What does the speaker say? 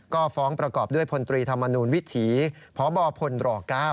ก็ฟ้องประกอบด้วยพลตรีธรรมนูลวิถีพบพลร๙